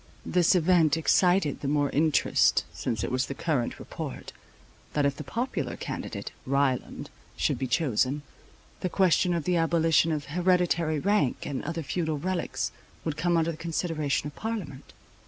This event excited the more interest, since it was the current report, that if the popular candidate (Ryland) should be chosen, the question of the abolition of hereditary rank, and other feudal relics, would come under the consideration of parliament.